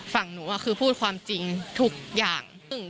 ฝั่งหนูคือพูดความจริงทุกอย่าง